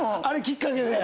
あれきっかけで？